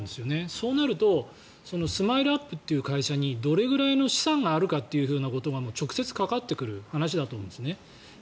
そうなるとＳＭＩＬＥ−ＵＰ．という会社にどれぐらいの資産があるのかというのが直接関わってくる話だと思うんですね。